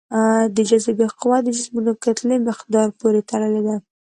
د جاذبې قوه د جسمونو کتلې مقدار پورې تړلې ده.